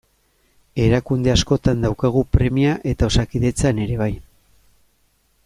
Erakunde askotan daukagu premia eta Osakidetzan ere bai.